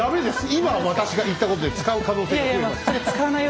今私が言ったことで使う可能性が増えました。